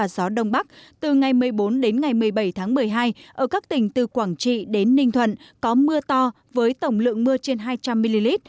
gió đông bắc từ ngày một mươi bốn đến ngày một mươi bảy tháng một mươi hai ở các tỉnh từ quảng trị đến ninh thuận có mưa to với tổng lượng mưa trên hai trăm linh ml